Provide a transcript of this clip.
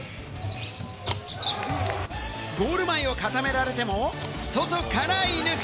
ゴール前を固められても、外から射抜く！